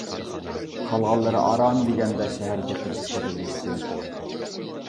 قالغانلىرى ئاران دېگەندە شەھەرگە قېچىپ كىرىۋېلىشتى.